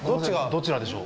どちらでしょう。